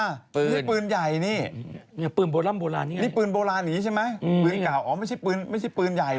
นี่เป็นปืนใหญ่นี่นี่ปืนโบราณนี้ไงนี่ปืนโบราณนี้ใช่ไหมปืนเก่าอ๋อไม่ใช่ปืนใหญ่